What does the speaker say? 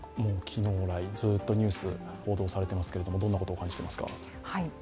昨日来、ずっとニュース、報道されていますけれども、どんなことを感じてますか。